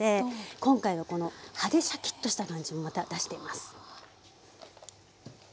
今回はこの葉でシャキッとした感じもまた出しています。